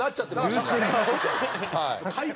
はい。